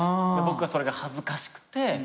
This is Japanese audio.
僕はそれが恥ずかしくて。